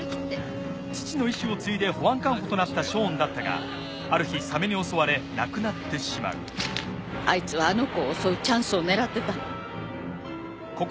父の遺志を継いで保安官補となったショーンだったがある日サメに襲われ亡くなってしまうあいつはあの子を襲うチャンスを狙ってたの。